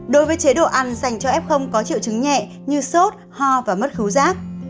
đối với chế độ ăn dành cho f có triệu chứng nhẹ như sốt ho và mất thú rác